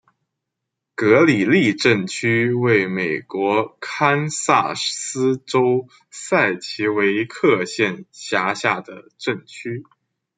格里利镇区为美国堪萨斯州塞奇威克县辖下的镇区。